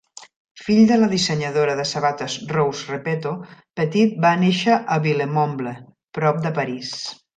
Fill de la dissenyadora de sabates Rose Repetto, Petit va néixer a Villemomble, prop de París.